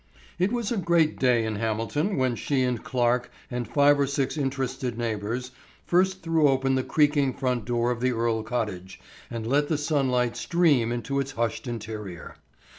It was a great day in Hamilton when she and Clarke and five or six interested neighbors first threw open the creaking front door of the Earle cottage and let the sunlight stream into its hushed interior.